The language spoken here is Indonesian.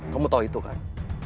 kamu tahu itu kan